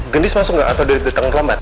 gendis masuk nggak atau udah datang lambat